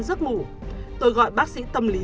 rất ngủ tôi gọi bác sĩ tâm lý